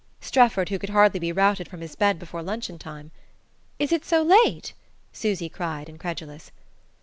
Strefford, who could hardly be routed from his bed before luncheon time! "Is it so late?" Susy cried, incredulous.